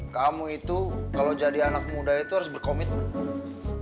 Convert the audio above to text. kamu itu kalau jadi anak muda itu harus berkomitmen